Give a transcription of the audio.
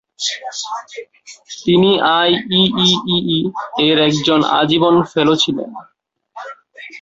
তিনি আইইইই এর একজন আজীবন ফেলো ছিলেন।